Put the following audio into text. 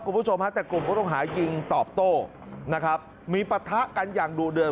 คุณผู้ชมฮะแต่กลุ่มผู้ต้องหายิงตอบโต้นะครับมีปะทะกันอย่างดูเดือด